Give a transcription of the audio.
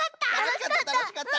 たのしかった。